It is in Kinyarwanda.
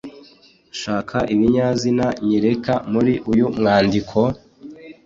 shaka ibinyazina nyereka muri uyu mwandiko,